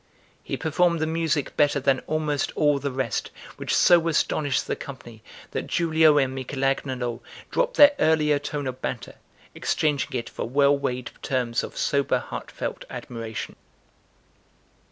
He performed the music better than almost all the rest, which so astonished the company that Giulio and Michel Agnolo dropped their earlier tone of banter, exchanging it for well weighed terms of sober heartfelt admiration.